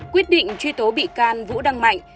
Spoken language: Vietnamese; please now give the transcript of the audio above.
quyết định truy tố bị can vũ đằng mạnh